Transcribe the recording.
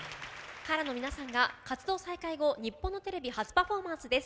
ＫＡＲＡの皆さんが活動再開後日本のテレビ初パフォーマンスです。